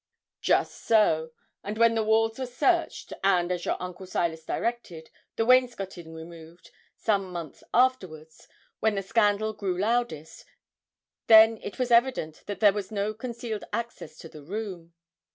'Just so; and when the walls were searched, and, as your uncle Silas directed, the wainscoting removed, some months afterwards, when the scandal grew loudest, then it was evident that there was no concealed access to the room.'